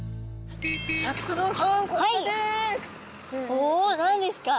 お何ですか？